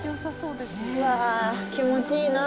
うわあ、気持ちいいな。